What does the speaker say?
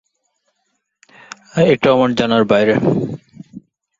এছাড়াও তিনি "Muslim Chronicle", "Muslim Outlook" পত্রিকার সাথে যুক্ত ছিলেন।